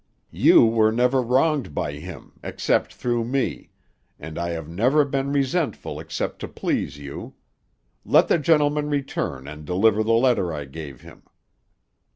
You were never wronged by him, except through me, and I have never been resentful except to please you. Let the gentleman return and deliver the letter I gave him.'